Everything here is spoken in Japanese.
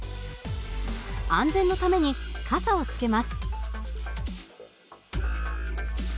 安全のために傘をつけます。